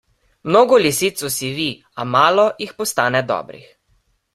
Mnogo lisic osivi, a malo jih postane dobrih.